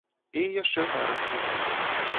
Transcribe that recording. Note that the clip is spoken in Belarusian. І яшчэ пара штрыхоў.